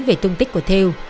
về tương tích của theo